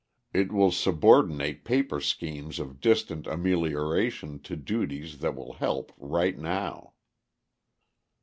It will subordinate paper schemes of distant amelioration to duties that will help right now."